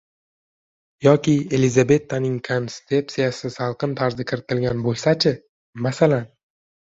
Yoki Elizabetning kontseptsiyasi salqin tarzda kiritilgan bo'lsa -chi? Masalan